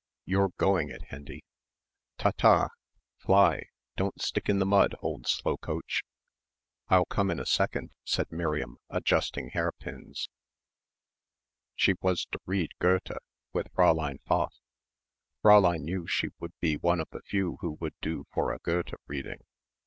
You're going it, Hendy. Ta ta. Fly! Don't stick in the mud, old slow coach." "I'll come in a second," said Miriam, adjusting hairpins. She was to read Goethe ... with Fräulein Pfaff.... Fräulein knew she would be one of the few who would do for a Goethe reading.